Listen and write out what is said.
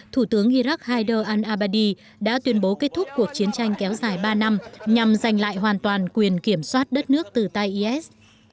thủ tướng iraq haider al abadi đã tuyên bố kết thúc cuộc chiến tranh kéo dài ba năm nhằm giành lại hoàn toàn quyền kiểm soát đất nước từ tay is